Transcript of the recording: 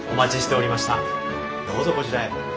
どうぞこちらへ。